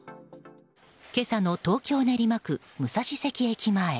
今朝の東京・練馬区武蔵関駅前。